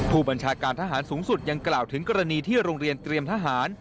ผู้บัญชาการทหารสูงสุดยังกล่าวถึงกรณีที่โรงเรียนเตรียมทหาร